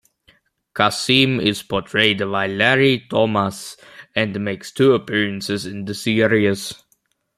Kassem is portrayed by Larry Thomas and makes two appearances in the series.